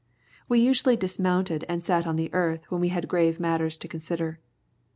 We usually dismounted and sat on the earth when we had grave matters to consider.